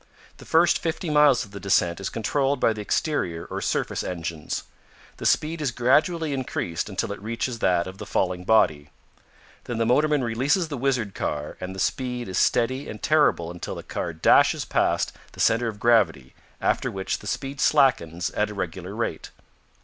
The first fifty miles of the descent is controlled by the exterior or surface engines. The speed is gradually increased until it reaches that of the falling body. Then the motorman releases the wizard car and the speed is steady and terrible until the car dashes past the center of gravity, after which the speed slackens at a regular rate.